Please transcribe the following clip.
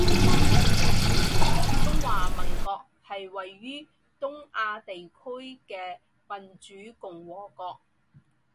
中华民国是位于东亚地区的民主共和国